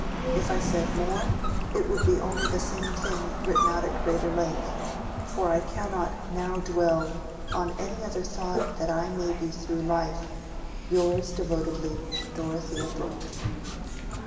If I said more, it would only be the same thing written out at greater length, for I cannot now dwell on any other thought than that I may be through life Yours devotedly, DOROTHEA BROOKE.